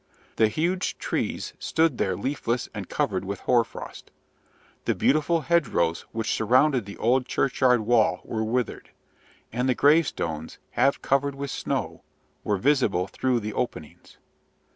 The huge trees stood there leafless and covered with hoarfrost; the beautiful hedgerows which surrounded the old churchyard wall were withered; and the gravestones, half covered with snow, were visible through the openings.